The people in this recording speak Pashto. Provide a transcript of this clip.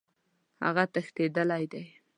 هغه تښتېدلی دی.